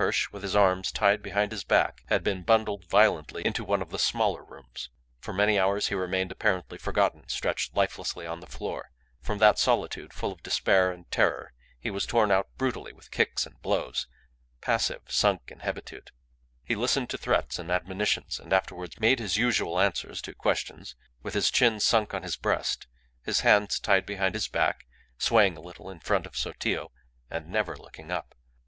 Hirsch, with his arms tied behind his back, had been bundled violently into one of the smaller rooms. For many hours he remained apparently forgotten, stretched lifelessly on the floor. From that solitude, full of despair and terror, he was torn out brutally, with kicks and blows, passive, sunk in hebetude. He listened to threats and admonitions, and afterwards made his usual answers to questions, with his chin sunk on his breast, his hands tied behind his back, swaying a little in front of Sotillo, and never looking up.